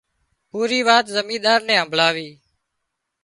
پُورِي وات زمينۮار نين همڀۯاوي